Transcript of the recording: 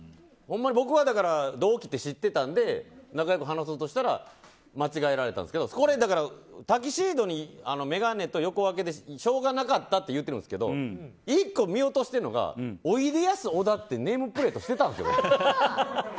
僕は同期って知ってたんで仲良く話そうとしたら間違えられたんですけどタキシードに眼鏡と横分けでしょうがなかったって言ってるんですけど１個見落としてるのはおいでやす小田ってネームプレートしてたんですよ。